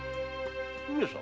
上様